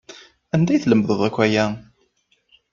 Anda ay tlemdem akk aya?